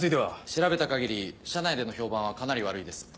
調べた限り社内での評判はかなり悪いです。